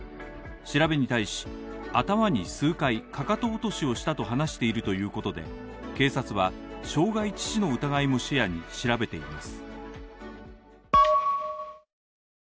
調べに対し、頭に数回、かかと落としをしたと話しているということで警察は傷害致死の疑いも視野に調べています。